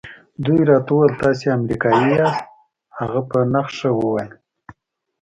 دوی راته وویل تاسي امریکایی یاست. هغه په نښه وویل.